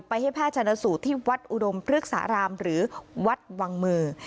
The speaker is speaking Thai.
ให้แพทย์ชนสูตรที่วัดอุดมพฤกษารามหรือวัดวังมือ